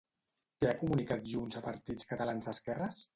Què ha comunicat Junts a partits catalans d'esquerres?